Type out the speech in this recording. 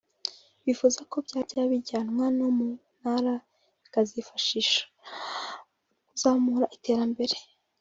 bifuza ko byajya bijyanwa no mu ntara bikazifasha kuzamura iterambere